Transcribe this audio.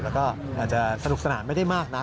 แล้วก็อาจจะสนุกสนานไม่ได้มากนัก